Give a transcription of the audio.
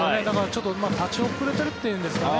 ちょっと立ち遅れているというんですかね